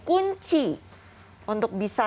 kunci untuk bisa